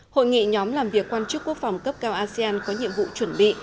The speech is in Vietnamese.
hội nghị nhóm làm việc quan chức quốc phòng cấp cao asean có nhiệm vụ chuẩn bị